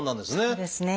そうですね。